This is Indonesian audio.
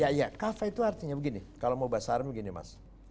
ya ya kafah itu artinya begini kalau mau bahasa arab begini mas